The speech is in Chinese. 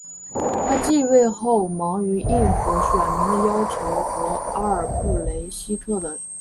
他即位后忙于应付选民的要求和阿尔布雷希特的争斗。